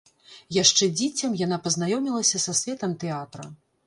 Яшчэ дзіцем яна пазнаёмілася са светам тэатра.